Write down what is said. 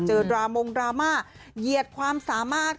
ดรามงดราม่าเหยียดความสามารถ